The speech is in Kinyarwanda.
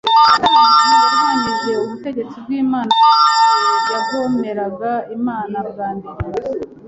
Satani yarwanyije ubutegetsi bw’Imana, kuva igihe yagomeraga Imana bwa mbere.